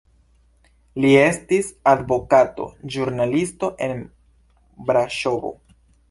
Li estis advokato, ĵurnalisto en Braŝovo.